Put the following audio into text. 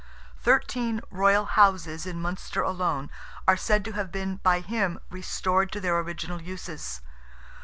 Thirteen "royal houses" in Munster alone are said to have been by him restored to their original uses.